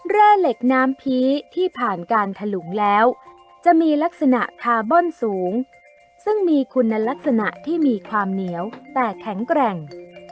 แร่เหล็กน้ำผีที่ผ่านการถลุงแล้วจะมีลักษณะคาร์บอนสูงซึ่งมีคุณลักษณะที่มีความเหนียวแต่แข็งแกร่ง